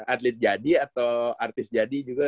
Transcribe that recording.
atlet jadi atau artis jadi juga